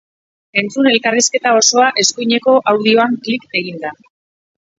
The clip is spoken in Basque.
Entzun elkarrizketa osoa, eskuineko audioan kil eginda!